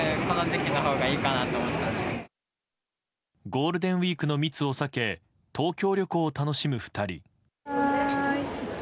ゴールデンウィークの密を避け東京旅行を楽しむ２人。